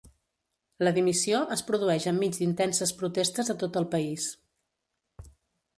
La dimissió es produeix enmig d’intenses protestes a tot el país.